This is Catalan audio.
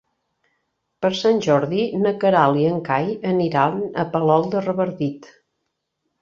Per Sant Jordi na Queralt i en Cai aniran a Palol de Revardit.